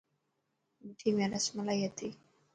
مٺي ۾ رسملائي هتي.